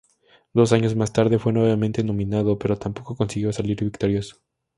Dos años más tarde, fue nuevamente nominado, pero tampoco consiguió salir victorioso.